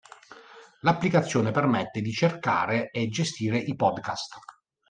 L'applicazione permette di cercare e gestire i podcast.